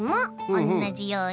おんなじように？